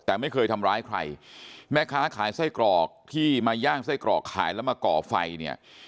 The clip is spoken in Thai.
แต่ไม่เคยทำร้ายใครแม่ค้าขายไส้กรอกที่มาย่างไส้กรอกขายแล้วมาก่อไฟเนี่ย